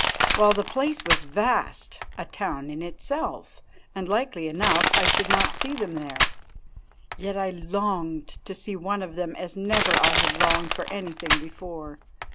Well, the place was vast, a town in itself, and likely enough I should not see them there. Yet I longed to see one of them as never I had longed for anything before.